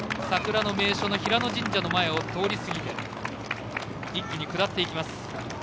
桜の名所の平野神社の前を通り過ぎて一気に下っていきます。